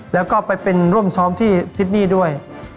แล้วก็ไปเป็นร่วมซ้อมที่ซิดนี่ด้วย